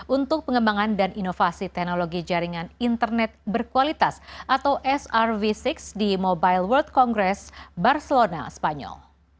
untuk pengembangan dan inovasi teknologi jaringan internet berkualitas atau srv enam di mobile world congress barcelona spanyol